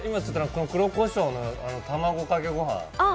今映ってる黒コショウの卵かけご飯。